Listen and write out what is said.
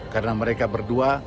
karena mereka berdua